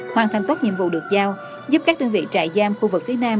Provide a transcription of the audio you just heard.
hoàn thành tốt nhiệm vụ được giao giúp các đơn vị trại giam khu vực phía nam